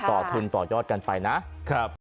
ต่อทุนต่อยอดกันไปนะ